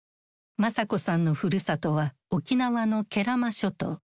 昌子さんのふるさとは沖縄の慶良間諸島。